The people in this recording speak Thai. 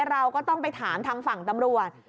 เราก็ต้องไปถามทางฝั่งตำรวจ